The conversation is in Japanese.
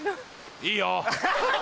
いいよ。